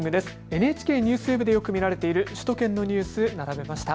ＮＨＫＮＥＷＳＷＥＢでよく見られている首都圏のニュース、並べました。